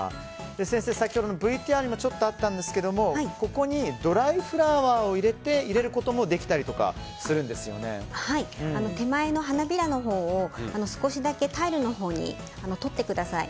先生、先ほどのＶＴＲにもちょっとあったんですがここにドライフラワーを入れることも手前の花びらのほうを少しだけタイルのほうにとってください。